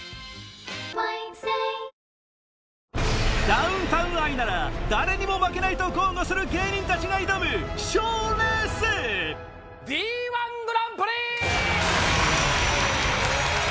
ダウンタウン愛なら誰にも負けないと豪語する芸人たちが挑む賞レースＤ−１グランプリ！